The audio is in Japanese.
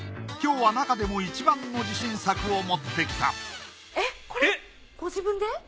今日は中でもいちばんの自信作を持ってきたえっこれご自分で？